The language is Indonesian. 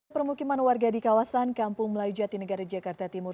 permukiman warga di kawasan kampung melayu jatinegara jakarta timur